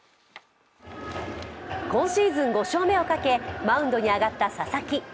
今シーズン５勝目をかけマウンドに上がった佐々木。